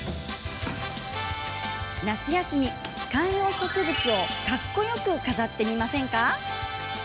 夏休み、観葉植物をかっこよく飾ってみませんか。